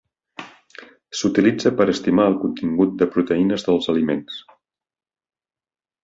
S'utilitza per estimar el contingut de proteïnes dels aliments.